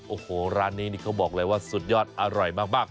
โอ้โหร้านนี้นี่เขาบอกเลยว่าสุดยอดอร่อยมาก